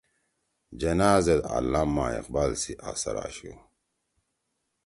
جناح زید علّامہ اقبال سی اثر